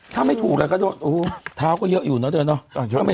ถ้าไม่ถูกแล้วก็โดนเท้าก็เยอะอยู่เนอะเธอเนาะ